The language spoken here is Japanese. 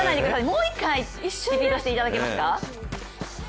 もう１回、リピートしていただけますか？